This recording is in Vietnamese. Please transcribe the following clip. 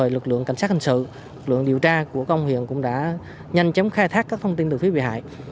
lực lượng cảnh sát hình sự lực lượng điều tra của công an huyện cũng đã nhanh chóng khai thác các thông tin từ phía bị hại